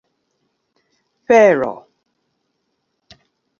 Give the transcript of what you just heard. felo